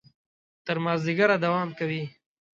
تر مازیګره پورې دوام کوي.